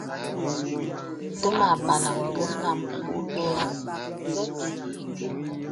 Təmà àbālaŋ ngə nám óbə̂ ï.